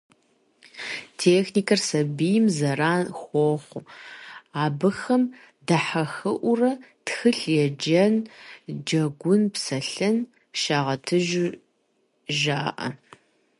Техникэр сабийм зэран хуэхъуу, абыхэм дахьэхыӀуэурэ тхылъ еджэн, джэгун, псэлъэн щагъэтыжу жаӀэ.